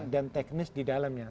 dan teknis di dalamnya